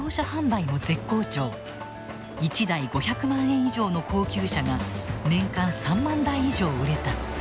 １台５００万円以上の高級車が年間３万台以上売れた。